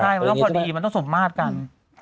แต่ก็คือพอดีมันต้องสมมาตรกัน